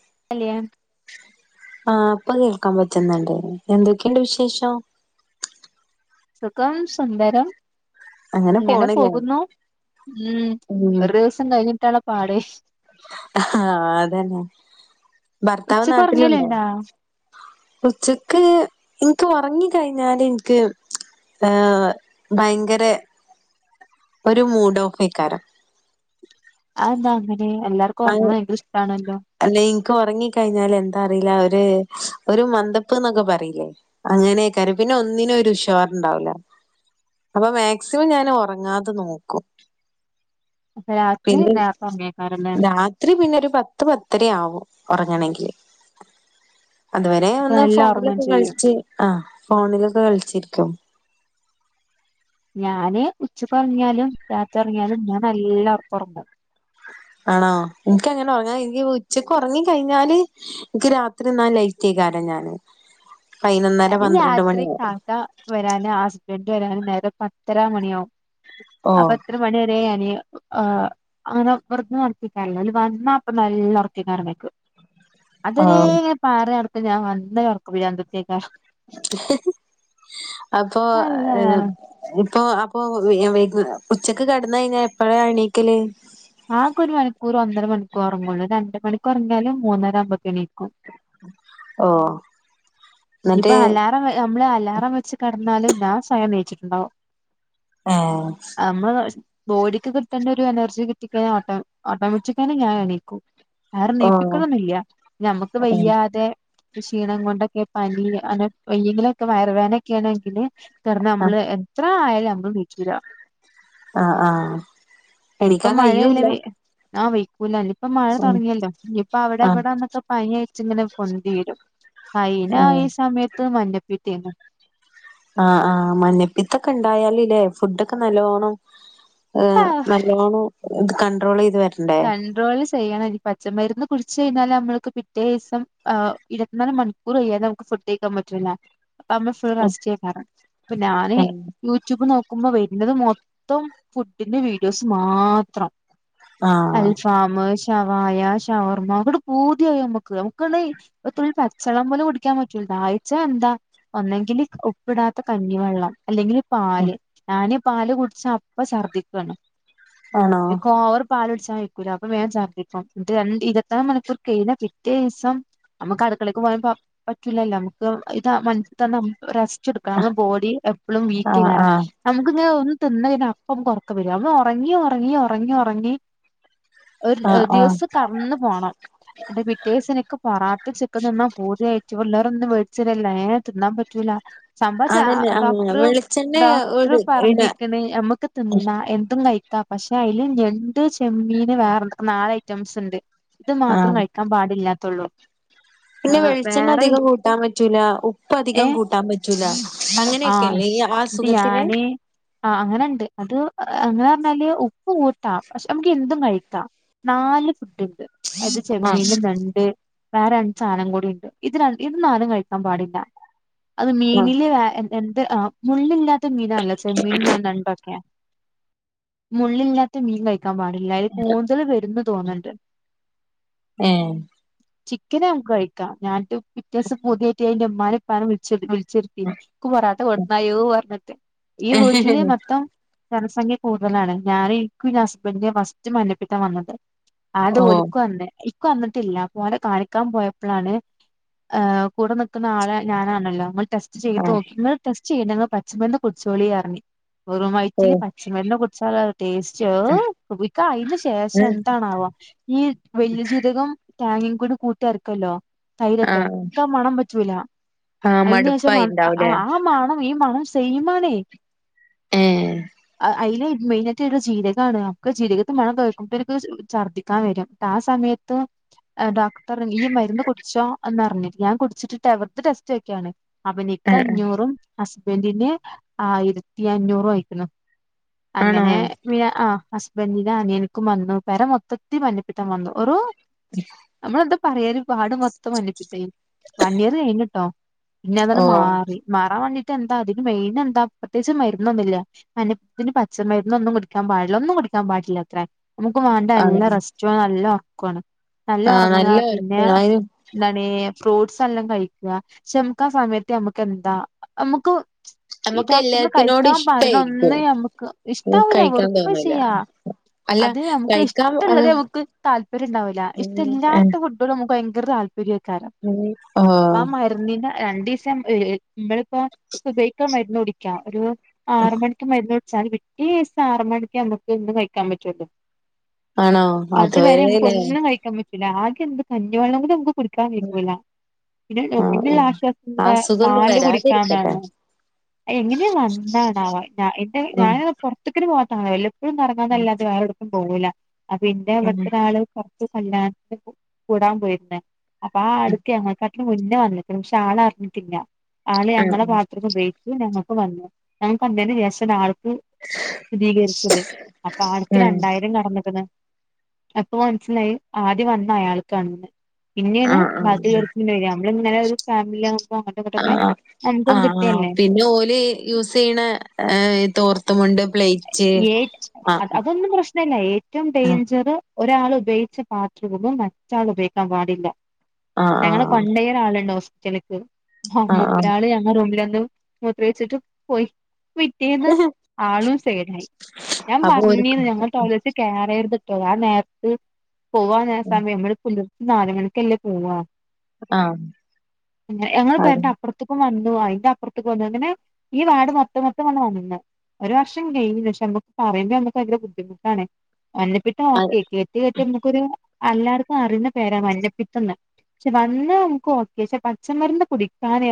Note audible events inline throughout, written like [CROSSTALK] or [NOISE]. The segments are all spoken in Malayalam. [UNINTELLIGIBLE] ആ ഇപ്പൊ കേൾക്കാൻ പറ്റ്ന്നെണ്ട് എന്തൊക്കെയുണ്ട് വിശേഷം? സുഖം സുന്ദരം അങ്ങനെ ഇങ്ങനെ പോണില്ലേ? പോകുന്നു ഇം ഉം ഒരു ദിവസം കഴിഞ്ഞ് കാലപ്പാട് ആഹ് അതന്നെ ഭർത്താവ് ഉച്ചക്ക് നാട്ടിലുണ്ടോ? ഉറങ്ങലുണ്ടാ ഉച്ചക്ക് ഇൻക്ക് ഉറങ്ങി കഴിഞ്ഞാല് ഇൻക്ക് ഏഹ് ഭയങ്കര ഒരു മൂഡോഫെയ്ക്കാര് അന്താങ്ങനെ? എല്ലാർക്കും ഉറങ്ങണ ഭയങ്കര ഇഷ്ടാണല്ലോ അല്ല ഇനിക്ക് ഉറങ്ങിക്കഴിഞ്ഞാല് എന്താ അറിയില്ല ഒരു ഒരു മന്ദപ്പ് എന്നൊക്കെ പറയിലേ അങ്ങനെക്കാരം പിന്നെ ഒന്നിനും ഒരു ഉഷാറുണ്ടാവൂല അപ്പൊ മാക്സിമം ഞാൻ ഉറങ്ങാതെ നോക്കും അപ്പൊ രാത്രി പിന്നെ നേരത്തെ ഉറങ്ങിയേക്കാരല്ലേ രാത്രി പിന്നെ ഒരു പത്ത് പത്ത് പത്തരയാവും ഉറങ്ങണെങ്കില് അതുവരെ അപ്പൊ ഒന്ന് നല്ല ഉറങ്ങും ഫോണിലൊക്കെ ചെയ്യും കളിച്ച് ആ ഫോണിലൊക്കെ കളിച്ചിരിക്കും ഞാന് ഉച്ചക്കൊറങ്ങിയാലും രാത്രി ഒറങ്ങിയാലും ഞാൻ നല്ല ഒറക്കൊറങ്ങും ആണോ എനക്ക് അങ്ങനെ ഉറങ്ങാ ഉച്ചക്ക് ഉറങ്ങി കഴിഞ്ഞാല് എനിക്ക് രാത്രിന്നാ ലൈറ്റ് ആയിക്കാരം ഞാന് പതിനൊന്നര ഞാന് പന്ത്രണ്ട് മണി രാത്രി വരെ കാക്ക വരാന് ഹസ്ബൻഡ് വേരാൻ നേരം പത്തര മണിയാവും അപ്പൊ ഓഹ് അത്ര മണി വരേ ഞാന് ആ അങ്ങനെ പുറത്തുന്ന് ഉറക്കിക്കാറില്ല ഓല് വന്നാ പ്പൊ നല്ല ഉറക്കെയ്ക്കാരം മേക്കു അത് ആഹ് വരെങ്ങനെ പാറി നടക്കും ഞാൻ വന്ന ഉറക്കഭ്രാന്തത്തിആയ്ക്കാ അപ്പൊ അള്ളാ ഏ പ്പൊ അപ്പൊ ഉച്ചക്ക് കെടന്ന് കഴിഞ്ഞാ എപ്പഴാ എണീക്കല്? ആക്കെ ഒരു മണിക്കൂറ് ഒന്നര മണിക്കൂറ് ഉറങ്ങുള്ളൂ രണ്ട്‌ മണിക്ക് ഒറങ്ങിയാലും മൂന്നര ആവുമ്പക്ക് എണീക്കും ഓ ഇപ്പ അലാറം വേ നമ്മള് അലാറം വെച്ച് കടന്നാലും ഞാൻ സ്വയം നീച്ചിട്ടുണ്ടാവും ആഹ് ബോഡിക്ക് കിട്ടേണ്ട ഒരു എനർജി കിട്ടിക്കഴിഞ്ഞ ഓട്ടോ ഓട്ടോമറ്റിക്കെന്നെ ഞാൻ എണീക്കും ആരും ഓഹ് നീപ്പിക്കലൊന്നുല്ല നമ്മക്ക് വെയ്യാതെ ഈ ക്ഷീണം കൊണ്ടൊക്കെ പനി അങ്ങനെ വയ്യങ്കിലൊക്കെ വയർവേദന ഒക്കെ ആണെങ്കിൽ കെടന്ന ആഹ് നമ്മള് എത്ര ആ നമ്മൾ നീച്ചൂല ആഹ് ആഹ് എണീക്കാൻ കയ്യൂല്ല ആ വയ്ക്കൂലന് ഇപ്പൊ മഴ തുടങ്ങിയല്ലോ നിപ്പ അവിടെ ആഹ് എവിടെന്നൊക്കെ പനി ആയിട്ട് ങ്ങനെ പൊന്തി വരും പൈ ഞാ ഈ സമയ ത്ത് മഞ്ഞപിത്തെയ്ന്നു ആഹ് ആഹ് മഞ്ഞപ്പിത്തൊക്കെ ഇണ്ടായാലില്ലേ ഫുഡൊക്കെ നല്ലോണം ഏഹ് നല്ലോണം ഇത് കണ്ടട്രോൾ ചെയ്ത് വെ കണ്ട്രോള് ചെയ്യണം ഇനി പ ച്ച മരുന്ന് കുടിച്ച് കഴിഞ്ഞാല് നമ്മൾക്ക് പിറ്റേ ദിവസം ആഹ് ഇരുപത്തിനാല് മണിക്കൂർകഴിയാതെ നമുക്ക് ഫുഡ് കഴിക്കാൻ പറ്റൂല്ല. നമ്മൾ ഫുള്ള് റസ്റ്റ് [UNINTELLIGIBLE] അപ്പൊ ഞാനേ യൂട്യൂബ് നോ ക്കുമ്പോ വരുന്നത് മൊത്തം ഫുഡിന്റെ വീഡിയോസ് മാത്രം. ആഹ് അൽ ഫാമ് ശവായ, ഷവർമ്മ, ഇങ്ങട്ട് പൂതിയായി നമ്മക്ക് നമുക്ക്ണ്ട് തുള്ളി പച്ചവെള്ളം പോലും കുടിക്കാൻ പറ്റൂല ദായ്ച്ചാ എന്താ ഒന്നെങ്കില് ഉപ്പിടാത്ത കഞ്ഞിവെള്ളം അല്ലെങ്കില് പാല് ഞാന് പാല് കുടിച്ചാ അപ്പ ഛർദിക്കാണ് ആണോ [UNINTELLIGIBLE] ച്ചാൻ അയ്ക്കൂല അപ്പ വേം ഛർദ്ദിക്കും രണ്ട് ഇരുപത്നാല് മണിക്കൂർ കഴിഞ്ഞ പിറ്റേ ദിവസം നമക്ക് അടുക്കളേക്ക് പോകാൻ പറ്റൂല്ലല്ലോ നമുക്ക് ഇത് മൺത്താ നമ് ച്ച് ട്ക്കണം നമ്മുടെ ബോഡി എപ്പളും വീക്ക് ആഹ് എക്കാരം ആഹ് നമുക്ക് ഇങ്ങനെ [UNINTELLIGIBLE] ത്ന്ന് കയിഞ്ഞാ അപ്പം നമ്മക്ക് ഒർക്കം വരും നമ്മള് ഒറങ്ങി ഒറങ്ങി ഒറങ്ങി ഒറങ്ങി ഒരു ആഹ് ആഹ് ദിവസം കടന്നു പോണം ന്നട്ട് പിറ്റേസം ഇൻക്ക് പൊറാട്ട ചിക്കൻ തിന്നാൻ പൂതിയായിട്ട് വേട്ചെരല്ല ഏ തിന്നാൻ പറ്റ് പറ്റൂല സംഭവം ച്ച അതന്നെ ആഹ് ഡോക്ടറ് വെളിച്ചെണ്ണ ഡോക്ടറ് ഒരു ഇട പറഞ്ക്ണ് നമ്മക്ക് തിന്നാ എന്തും കയ് പക്ഷെ അയില് ഞണ്ട് ചെമ്മീന്, വേറെ നാല് ഐറ്റംസ് ഇണ്ട് ഇത് മാത്രം ആഹ് കഴിക്കാൻ പാടില്ല നുള്ളു പിന്നെ വെളിച്ചെണ്ണ അധികം കൂട്ടാൻ പറ്റൂല, ഉപ്പ് അധികം ഏഹ് കൂട്ടാൻ പറ്റൂല, ആഹ് അങ്ങനെക്കെല്ലേ ഈ ആ ന്നിട്ട് അസുഖത്തിന് ഞാന് ആഹ് അങ്ങനെണ്ട് അത് അങ്ങനെ അർഞ്ഞാല് ഉപ്പ് കൂട്ടാ നമുക്ക് എന്തും കഴിക്കാം നാല് ഫുഡ് അത് ആഹ് ചെമ്മീന് നണ്ട് വേറെ ണ്ട് സാനം കൂടി ഉണ്ട് ഇത് ര നാലും കയിക്കാൻ പാടില്ല അത് ആഹ് മീനില് എന്ത് ആ മുള്ളില്ലാ ത്ത മീനാല്ലെ ചെമ്മീൻ ഞണ്ട് ഒക്കെ മുള്ളില്ലാത്ത മീൻ ക ൻ പാടില്ല കൂന്തൽ വരൂന്ന് തോന്നണ്ട്. ഏഹ് ചിക്കന് മ്മക്ക് കഴിക്കാം [UNINTELLIGIBLE] വിത്യാസം [UNINTELLIGIBLE] ന്റെഉമ്മാനെയും ഉപ്പാനെയും വിളി [UNINTELLIGIBLE] ഈ വീട്ടില് മൊത്തം. ജനസംഖ്യ കൂടുതലാണ് ഞാൻ എക്കും [UNINTELLIGIBLE] പിന്നെ മസ്റ്റ് മഞ്ഞപ്പിത്തം വന്നത്. [UNINTELLIGIBLE] ഓഹ് വന്നിട്ടില്ല [UNINTELLIGIBLE] കാണിക്കാൻ പോയപ്പളാണ്, ആ കൂടെ നിൽക്കുന്ന ആളെ ഞാനാണല്ലോ [UNINTELLIGIBLE] ടെസ്റ്റ് ചെയ്ത് നോക്കി ഇങ്ങള് ടെസ് [UNINTELLIGIBLE] പച്ചമരുന് കുടിച്ചോളി വെറും വയറ്റി ഓഹ് പച്ചമരുന്ന് കുടിച്ചാലോ ടേസ്റ്റ് [UNINTELLIGIBLE] [UNINTELLIGIBLE] അയിന് ശേഷം എന്താണവോ ഈ വല്യജീരകം. തേങ്ങയും കൂടി അരക്കല്ലോ. തൈരൊക്കെ, ആഹ് ഇക്ക് ആ മണം പറ്റൂല. ആഹ് അതിന് ശേഷം മടുപ്പായിണ്ടാവുലേ ആ മണം ഈ മണം. തേയ്മാനെ. ഏഹ് അ അയില് മെയിനായിട്ട് ജീരകണോ [UNINTELLIGIBLE] [UNINTELLIGIBLE] ജീരകത്തിന്റെ മണം കേക്കുമ്പോ നിക്ക് ഛർദ്ദിക്കാൻ വരും. ടാ സമയത്ത് ഡോക്ടർ ഈ മരുന്ന് കുടിച്ചോ എന്നറിഞ്ഞ് ഞാൻ കുടിച്ചിട്ട് [UNINTELLIGIBLE] ടെസ്റ്റ് വക്കെയാണ്. അവിനിക്ക് ആഹ് അഞ്ഞൂറും ഹസ് [UNINTELLIGIBLE] ആയിരത്തി അഞ്ഞൂറും ആയിക്കണം. ആണോ അങ്ങനെ വി ആ ഹസ് [UNINTELLIGIBLE] അനിയനക്കു വന്നു. പെര മൊത്തത്തി മഞ്ഞപ്പിത്തം വന്നു ഒരു നന്മടെതോ [UNINTELLIGIBLE] പറയാനേ പാടു മൊത്തം മഞ്ഞപ്പിത്തം ആയി. വൺ ഇയർ കഴിഞ്ഞിട്ടോ. പിന്നെ അതങ്ങ് ഓഹ് മാറി മാറാൻ വന്നി എന്താ അതിന് മെയിൻ എന്താ പ്രത്യേകിച്ച് മരുന്നൊന്നുമില്ല. മഞ്ഞപ്പിത്തത്തിന് പച്ച മരുന്ന് ഒന്നും കുടിക്കാൻ പാടില്ല. ഒന്നും കുടിക്ക [UNINTELLIGIBLE] നമുക്ക് വേണ്ട ആഹ് നല്ല റെസ്റ്റും നല്ല ഒറക്ക- പോണം നല്ല ആഹ് ഉറങ്ങാ നല്ല പിന്നെ ഒറക്ക എന്താണി. ഫ്രൂട്ട്സ് എല്ലാം കഴിക്കുക. പക്ഷെ നമുക്ക് ആ സമയത്ത് നമുക്ക് എന്താ നമുക്ക് ഈ നമുക്ക് ഡോക്ടന്മാർ എല്ലാത്തിനോടും കഴിക്കാൻ പറണ ഇഷ്ടായിരിക്കും. ഒന്ന് നമ്മക്ക് ഇഷ്ടാവില്ല, കഴിക്കാൻ വെറുപ്പാ തോന്നൂല. ചെയ്യാ. അല്ല അത് ഞമക്ക് കഴിക്കാൻ ഇഷ്ടള്ളത് ഏഹ് മക്ക് താല്പര്യിണ്ടാവില്ല ഉം ഏഹ് ഇഷ്ടില്ലാത്ത ഫുഡ്മുക്ക് ഭയ [UNINTELLIGIBLE] ര്യക്കാരം. ഉം ആ ആഹ് മര്ന്നിനെ രണ്ടിസ ശം ഈ നമ്മളിപ്പൊ സുബയ്ക്കാ മരുന്നുടിക്കാ ഒരു ആറ്മൺക്ക് മര്ന്നുട് ചാല് പിറ്റേസ്ത്ത ആറ്മണിക്കാമ്പൊ എന്തും കഴിക്കാൻ പറ്റല്ലോ ആണോ അത് വരേ ല്ലെ. ലാകെന്ത് കഞ്ഞിവെള്ളങ്കൂടെമ്മക്ക് കുടിക്കാൻ വെയ്ക്കൂല. പിന്നെ ആഹ് ഉം ആ പിന്നൊള്ളാശ്വാസന്താ അസുഖൊന്നും പാല് വരാതിരിക്കട്ടെ കുടിക്കാന്നാണ്. എങ്ങനെ വന്ന ന്നാവ എന്റെ ഉം ഞാന് പൊർത്ത്ക്കെ ന്നെ പോവാ ആയല്ലൊ പ്പഴും ഒറങ്ങാന്നല്ലാതെ വേറെടുക്കും പോവൂല്ല. അ ഉം പിന്നെവിട്ത്തൊരാള് കല്യാണത്ത് കൂടാൻ പോയിര്ന്ന് അപ്പ ആഹ് അടുക്കെ [UNINTELLIGIBLE] മുന്നെ വറ്ണ്ക്ക്ണ് പക്ഷാളാറ്ഞ്ഞിട്ടില്ല ആള് ആഹ് ഞങ്ങളെ പാത്രൊക്കെ ഉപയി- ഞങ്ങക്ക് വന്നു. ഞക്ക് [UNINTELLIGIBLE] ആൾ ഉം സ്ഥിതീകര്ച്ചത്. അപ്പൊ ആട്ക്ക് ഉം രണ്ടായിരം കടന്ന്- അപ്പൊ മനസ്സിലായി ആദ്യം വന്ന അയാൾക്കാണെന്ന് പിന്നെയാണ് അഹ് ആഹ് ബാക്കിയുള്ളവർക്ക് പിന്നെ വരിക നമ്മളിങ്ങനെ ഒരു ഫാമിലി ആകുമ്പോ അങ്ങോട്ടും ഇങ്ങോട്ടൊക്കെ ആഹ് നമുക്കും ആഹ് കിട്ടിയല്ലേ പിന്നെ ഓല് യൂസ് ചെയ്യ്ണ തോർ- ഏറ്റ് അതൊന്നും പ്രശ്നില്ല ഏറ്റോം ആഹ് ഡേഞ്ചറ് ഒരാൾ ഉപേയിച്ച പാത്രവും മറ്റാള് ഉപയോഗിക്കാൻ പാടില്ല ആഹ് ഞങ്ങള് കൊണ്ടേയ ഒരാള്ണ്ടോസ് ചെനക്ക് ആഹ് മുപ്പരാള് ഞങ്ങറൂമില- ഉം മൂത്രഴിച്ചിട്ട് പോയി വിറ്റേന്ന് ആഹ് ആളുംസെയ്ഡായ് ഞാൻ അപ്പൊ ഓര്ക്ക് പറഞ്ഞെനു ഞങ്ങടെ ടൊയ്ലറ്റ് കേറ- വരെരുത്ട്ടോ ആ നേര്ത്ത് പോവാനാസമയം ഇവട് [UNINTELLIGIBLE] നാല്മണിക്കല്ലെ പൂവാ ആഹ് ഞ ഞങ്ങളെ അതെ പെരന്റെ അപ്രത്ത്ക്കും വ ഓഹ് അയിന്റെ അപ്പറത്തു വന്നു എങ്ങനെ ഈ വാർഡ് മൊത്തം മൊത്ത വന്ന് [UNINTELLIGIBLE] ഒരു വർഷം കയിഞ് പക്ഷെ നമ്മുക്ക് പറയുമ്പോ നമുക്ക് ഭയങ്കര ബുദ്ധിമുട്ടാണ് മഞ്ഞപിത്തം അത് ഓക്കെ കേട്ട് കേട്ട് നമുക്കൊരു എല്ലാർക്കും അറിയുന്ന പേരാ മഞ്ഞപ്പിത്തന്ന് പക്ഷെ വന്നാ നമുക്ക് ഓക്കെ പക്ഷെ പച്ചമരുന്ന് കുടിക്കാന്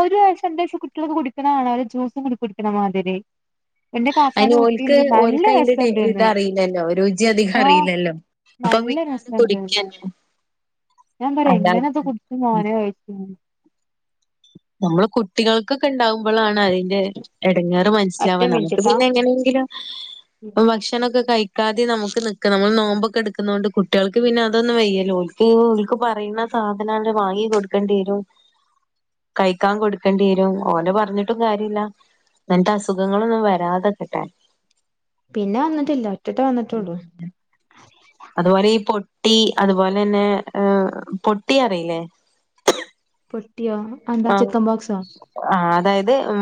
ഒരുവയ്സ് രണ്ട് വയസ് കുട്ടികള്ക്കെ കുടിക്കണ കാണ ജ്യൂസും കുടി കുടി എടമാതിരി അതിന് ഓൽക്ക് ഓൽക്കയിന്റെ ടെ ഇത് രസണ്ട്ന്ന് അറിയില്ലല്ലോ രുചി അധികം ആഹ് അറിയില്ലല്ലോ അപ്പൊ നല്ല പിന്നെ അത് രസണ്ട്ന്ന് കുടിക്കന്നെ ഞാൻ പറയാ അല്ലാതെ എങ്ങനത് കുടിക്കും മോനെ നമ്മള് കുട്ടികൾക്കൊക്കെ ഇണ്ടാകുമ്പളാണ് അയിന്റ എടങ്ങേറ് ഒറ്റ മനസിലാവണത് അത് മിനിറ്റ്ട്ടാ പിന്നെ എങ്ങനെങ്കിലും ഭക്ഷണൊക്കെ കഴി ക്കാതെ നമുക്ക് നിക്ക നമ്മള് നോമ്പൊക്കെ എടുക്കുന്നകൊണ്ട് കുട്ടികൾക്ക് പിന്ന അതൊന്നും വയ്യല്ലോ ഓൾക്ക് ഓൾക്ക് പറയുന്ന സാധനവര് വാങ്ങി കൊടുക്കേണ്ടി വരും, കയ്ക്കാൻ കൊടുക്കേണ്ടി വരും ഓനെ പറഞ്ഞിട്ടും കാര്യവില്ല ങ്ങനത്ത അസുഖങ്ങളൊന്നും വരാതെക്കട്ടെ. പിന്നെ വന്നിട്ടില്ല ഒറ്റട്ടെ വന്നിട്ടുള്ളൂ അതുപോലെ ഈ പൊട്ടി അതുപോലന്നെ പൊട്ടി അറിയില്ലേ? ട്ടിയോ അതെന്താ ചിക്കമ്പോക്സോ? അത് ഉം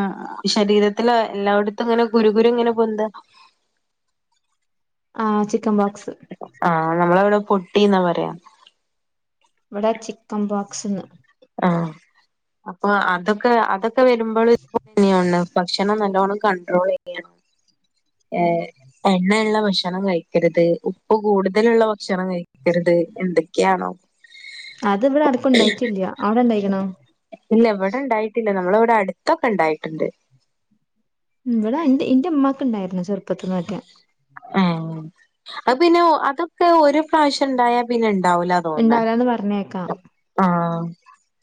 ശരീരത്തില് എല്ലാവിടത്തും ഇങ്ങനെ കുരു കുരു ഇങ്ങനെ പൊന്ത ആഹ് ചിക്കൻ പോക്സ്. ആഹ് നമ്മളിവട പൊട്ടിന്നാ പറയാ. ഇവിടെ ചിക്കൻ പോക്സ്ന്ന്. ആഹ് അപ്പൊ അതൊക്കെ അതൊക് ക്കെ വരുമ്പള് [UNINTELLIGIBLE] ഭക്ഷണം നല്ലോണം കൺട്രോൾ ചെയ്യണം എഹ് എണ്ണയുള്ള ഭക്ഷണം കഴിക്കരുത് ഉപ്പ് കൂടുതലുള്ള ഭക്ഷണം കഴി ക്കരുത് എന്തൊക്കയാണോ. അത് ഇവിടെ ആർക്കൊണ്ടായിട്ടില്യ. അവിടെണ്ടായിക്കണോ? ഇല്ല എവിടെ ഇണ്ടായിട്ടില്ല നമ്മള ഇവിടെ അടുത്തൊക്കെ ഇണ്ടായിട്ടുണ്ട്. ഇവിടാ ഇന്റെ ഇന്റെ ഉമ്മാക്ക് ഇണ്ടാരുന്നു ചെറുപ്പത്തിൽ ഒക്കെ ആഹ് അത്പിന്നെ അതൊക്കെ ഒരു പ്രാവശ്യം ഇണ്ടായാ പിന്നെണ്ട് ണ്ടാവൂലാ തോന്നണെ ഉണ്ടാവില്ലാന്ന് പറഞ്ഞേക്കാം ആഹ്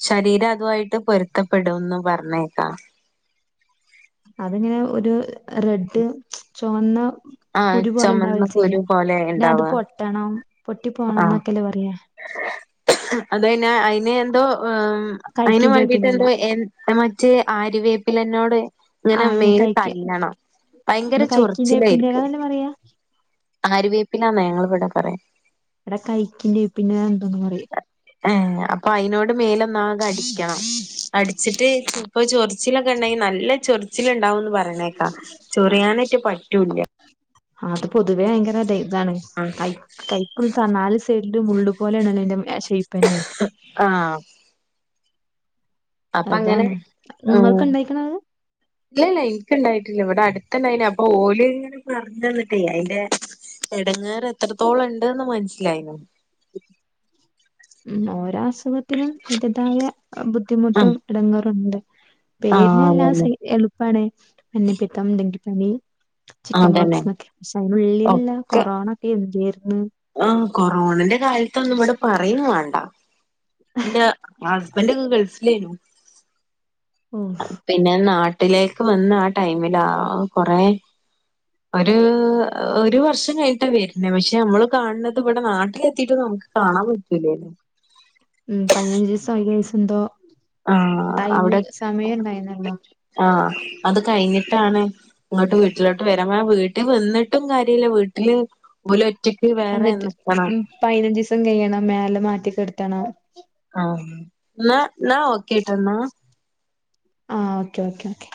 ശരീരം അതുവായിട്ട് പൊരുത്തപ്പെടുംന്ന് പറഞ്ഞേക്കാം. അതങ്ങനെ ഒരു റെഡ് ചൊവന്ന ആഹ് ചൊമന്ന കുരു പോലെ പിന്നെ ഇണ്ടാവ അത് പൊട്ടണം പൊട്ടി ആഹ് പോണംന്നൊക്കല്ലേ പറയാ അതയ്ന് ഐന് ന്തോ ഐന് കൈക്കിന്റെ വേണ്ടീട്ട് വേപ്പിന്റെല എന്തോ എ മറ്റേ ആരിവേപ്പിലനോട് ആ ഇങ്ങനെ അയിന് മേൽ കൈക്ക് തല്ലണം ഭയങ്കര കൈക്കിന്റെ ചൊറിച്ചിലായിരിക്കും വേപ്പിന്റെലന്നല്ലേ പറയാ ആര്യവേപ്പിലാന്നാ ഞങ്ങള് ഇവടെ പറയാ വടെ കൈക് പിന്നെ പിന്നെ എന്തോന്ന് പറയും ഏ അപ്പൊ അയ്നോട് മേലൊന്നാകെ അടിക്കണം അടിച്ചിട്ട് ഇപ്പൊ ചൊറിച്ചിലൊക്കെ ണ്ടെങ്കി നല്ല ചൊറിച്ചില് ഉണ്ടാവൂന്ന് പറഞ് യേണേക്ക ചൊറിയാനേറ്റെ പ റ്റൂല ആ അത് പൊതുവേ ങ്കരതേയ് അതാണ് കൈ [UNINTELLIGIBLE] മുള്ള് പോലെയണല്ലോ ഐന്റെ [UNINTELLIGIBLE] ആ അപ്പ അങ്ങനെ അതാണ് ആ നിങ്ങൾക്ക് ഉണ്ടായിക്കണത് ഇല്ലല്ല ഇൻക്ക് ണ്ടായിട്ടില്ല ഇവ്ടെ അട്ത്ത്ണ്ടായിന് അപ ഓല് ങ്ങനെ പറഞ്ഞന്ന്ട്ടയ്‌ അയ്ലെ എടങ്ങേറ് എത്രത്തോളണ്ട്ന്ന് മനസ്സിലായി മ് ഓരാസ് സുഖത്തിനും അതിന്റതായ ആ ബുദ്ധിമുട്ടും എടങ്ങേറുണ്ട് ആ പേരിനെല്ലാം അതന്നെ സെയ്‌ എളുപ്പാണ് മഞ്ഞപ്പിത്തം, ഡെങ്കി പനി ചിക്കൻ അതന്നെ ബോക്സ് ന്നൊക്കെ പക്ഷെ അയിനുള്ളിലുള്ള ഒക്കെ കൊറോണക്കെ എന്തേര് ആ കൊറോണന്റെ കാലതോന്നും പറയും വാണ്ടാ ന്റെ അസ് ബലോക്കെ ഗൾഫിലേയ്നു ഓ പിന്നെ നാ നാട്ടിലേക്ക് വന്ന് ആ ടൈമിലാ ആ കൊറെ ഒരു ഒരു വർഷം കഴിഞ്ഞിട്ടാണ് വര്ണേ പക്ഷെ നമ്മള് കാണ് ണത് ഇവിടെ നാട്ടിലെത്തിട്ടും നമ്മക്ക് കാണാൻ പറ്റൂലേയ്നു ഉം പൈനഞ്ജീസൊ ഇരുവീസൊ എന്തോ ആ ടൈമ് അവ്ടെ സമയം ഉണ്ടായിരുന്നല്ലോ ആ അത് കഴിഞ്ഞിട്ടാണ് ഇങ്ങോട്ട് വീട്ടിലോട്ട് വരാ വീട്ടിൽ നിന്നിട്ടും കാര്യല്ല വീട്ടില് ഓല് ഒറ്റക്ക് വേറെ എന്നിട്ട് നിക്കണം ഉം പൈനഞ്ജീസം കയ്യണം മേലെ മാറ്റികൊ ത്തണോ ആഹ് കേട്ടന്നോ ആഹ് ഓക്കേ ഓക്കേ ഓക്കേ